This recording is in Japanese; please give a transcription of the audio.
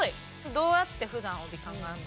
どうやって普段帯考えるの？